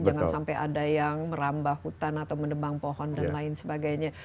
jangan sampai ada yang merambah hutan atau menebang pohon dan lain sebagainya